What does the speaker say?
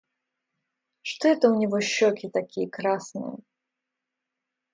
Что это у него щеки такие красные?